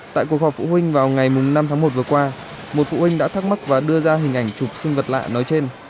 tại cuộc họp phụ huynh vào ngày năm tháng một vừa qua một phụ huynh đã thắc mắc và đưa ra hình ảnh chụp sinh vật lạ nói trên